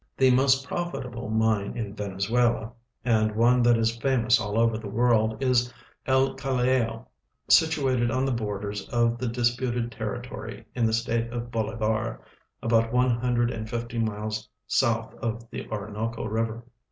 The most })rofitahle mine in Venezuela, and one that is famous all over the world, is El Callao, situated on the borders of the dis])uted territory, in the state of Bolivar, al»out one hundred and fifty miles south of the Orinoco river.